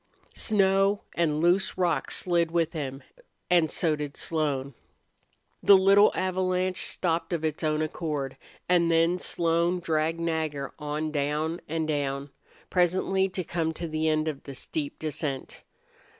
Snow and loose rock slid with him, and so did Slone. The little avalanche stopped of its own accord, and then Slone dragged Nagger on down and down, presently to come to the end of the steep descent.